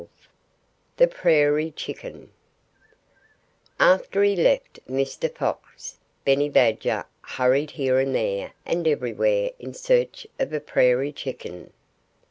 XII THE PRAIRIE CHICKEN After he left Mr. Fox, Benny Badger hurried here and there and everywhere in search of a prairie chicken.